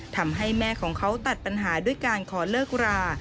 ทำให้แม่ของเขาตัดปัญหาด้วยการขอเลิกรา